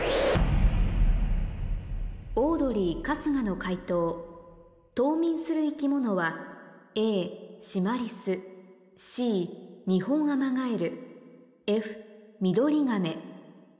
オードリー・春日の解答冬眠する生き物はＡシマリスＣニホンアマガエルＦミドリガメ